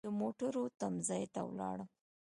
د موټرو تم ځای ته ولاړم.